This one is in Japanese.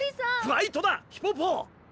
ファイトだヒポポ！